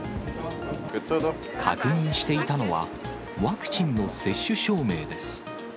確認していたのは、ワクチンの接種証明です。